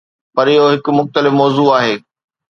پر اهو هڪ مختلف موضوع آهي.